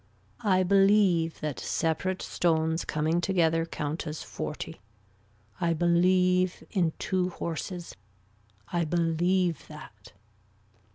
I believe that separate stones coming together count as forty. I believe in two horses. I believe that.